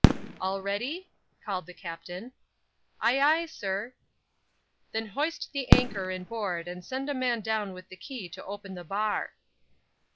"All ready?" called the Captain. "Aye, aye, sir." "Then hoist the anchor in board and send a man down with the key to open the bar."